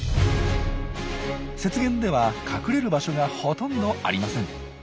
雪原では隠れる場所がほとんどありません。